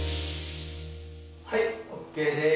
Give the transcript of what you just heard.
はいＯＫです。